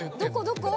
どこ？